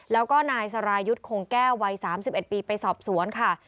แล้วก็นายสรายุทธ์คงแก้ววัย๓๑ปีไปสอบสวนค่ะ